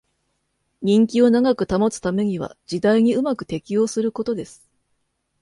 人気を長く保つためには時代にうまく適応することです